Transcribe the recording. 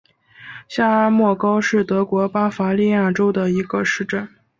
下阿默高是德国巴伐利亚州的一个市镇。